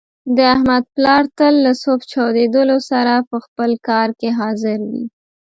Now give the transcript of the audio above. د احمد پلار تل له صبح چودېدلو سره په خپل کار کې حاضر وي.